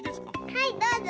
はいどうぞ。